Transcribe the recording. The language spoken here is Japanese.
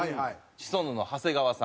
シソンヌの長谷川さん